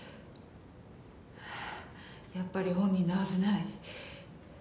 はぁやっぱり本人なはずない。